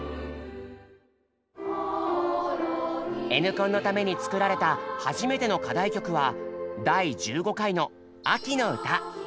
「Ｎコン」のために作られた初めての課題曲は第１５回の「秋の歌」。